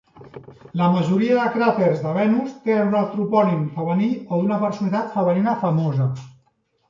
La majoria de cràters de Venus tenen un antropònim femení o d'una personalitat femenina famosa.